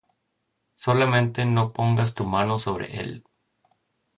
solamente no pongas tu mano sobre él.